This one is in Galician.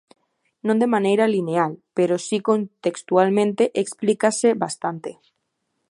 Non de maneira lineal, pero si contextualmente explícase bastante.